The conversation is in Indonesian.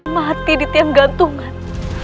mati di tiang gantungan